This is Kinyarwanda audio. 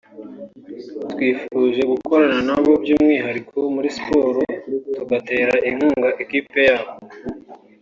twifuje gukorana nabo by’umwihariko muri Siporo tugatera inkunga ikipe yabo”